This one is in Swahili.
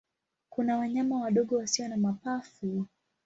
Kuna wanyama wadogo wasio na mapafu.